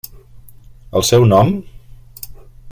El seu nom?